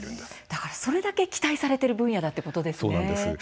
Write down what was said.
だから、それだけ期待されてる分野だってことですね。